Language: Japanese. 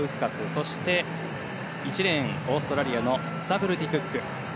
そして、１レーンオーストラリアのスタブルティ・クック。